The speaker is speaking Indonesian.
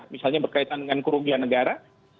misalnya berkaitan dengan kerugian negara